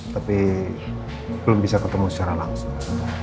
tapi belum bisa ketemu secara langsung